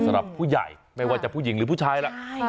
สำหรับผู้ใหญ่ไม่ว่าจะผู้หญิงหรือผู้ชายล่ะ